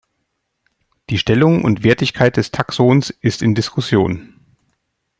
Die Stellung und Wertigkeit des Taxons ist in Diskussion.